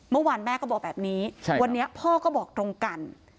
เมื่อวานแม่ก็บอกแบบนี้วันนี้พ่อก็บอกตรงกัน